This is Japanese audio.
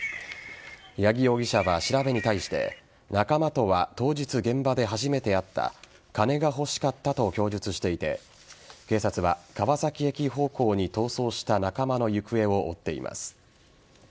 八木容疑者は調べに対して仲間とは当日現場で初めて会った金が欲しかったと供述していて警察は川崎駅方向に逃走した仲間の行方を追っています。